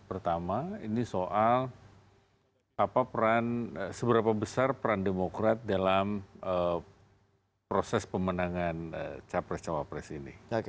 pertama ini soal peran seberapa besar peran demokrat dalam proses pemenangan capres cawapres ini